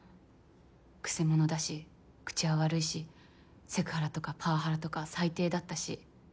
くせ者だし口は悪いしセクハラとかパワハラとか最低だったし。